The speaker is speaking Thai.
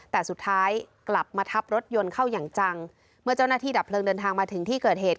แต่สุดท้ายกลับมาทับรถยนต์เข้าอย่างจังเมื่อเจ้าหน้าที่ดับเพลิงเดินทางมาถึงที่เกิดเหตุ